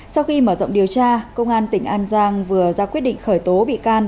sau khi mở rộng điều tra công an tỉnh an giang vừa ra quyết định khởi tố bị can